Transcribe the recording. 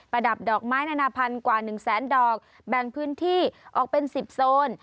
ระดับดอกไม้นานาพันธุ์กว่า๑แสนดอกแบ่งพื้นที่ออกเป็น๑๐โซน